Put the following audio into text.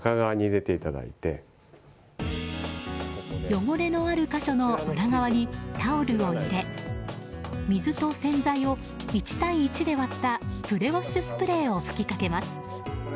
汚れのある箇所の裏側にタオルを入れ水と洗剤を１対１で割ったプレウォッシュスプレーを吹きかけます。